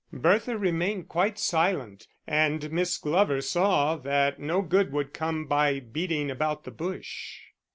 Bertha remained quite silent and Miss Glover saw that no good would come by beating about the bush.